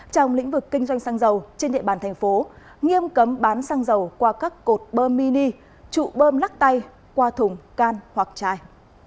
trong lĩnh vực kinh doanh xăng dầu trên địa bàn thành phố nghiêm cấm bán xăng dầu qua các cột bơm mini trụ bơm lắc tay qua thùng can hoặc chai